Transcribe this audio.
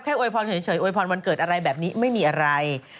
โวยพรเฉยอวยพรวันเกิดอะไรแบบนี้ไม่มีอะไร